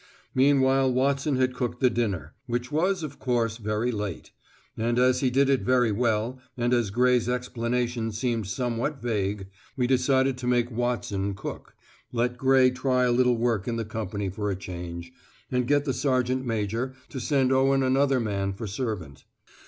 Meanwhile Watson had cooked the dinner, which was, of course, very late; and as he did it very well, and as Gray's explanation seemed somewhat vague, we decided to make Watson cook, let Gray try a little work in the company for a change, and get the sergeant major to send Owen another man for servant.